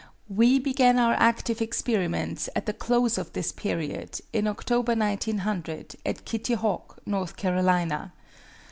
We began our active experiments at the close of this period, in October, 1900, at Kitty Hawk, North Carolina.